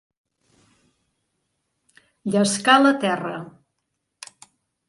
Llescar la terra.